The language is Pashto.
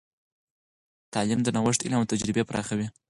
تعلیم د نوښت علم او تجربې پراخوي.